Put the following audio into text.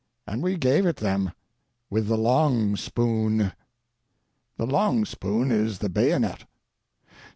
And we gave it them — with the long spoon." The long spoon is the bayonet.